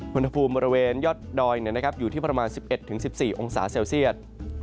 อุณหภูมิบริเวณยอดดอยอยู่ที่ประมาณ๑๑๑๔องศาเซลเซียต